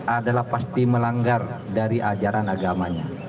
adalah pasti melanggar dari ajaran agamanya